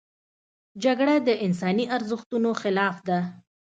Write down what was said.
جګړه د انساني ارزښتونو خلاف ده